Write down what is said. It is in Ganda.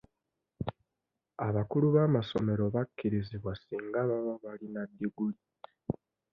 Abakulu b'amasomero bakkirizibwa singa baba balina ddiguli.